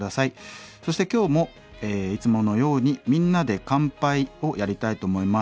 そして今日もいつものように「みんなで乾杯」をやりたいと思います。